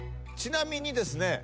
ちなみにですね